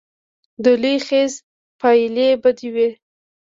د لوی خیز پایلې بدې وې.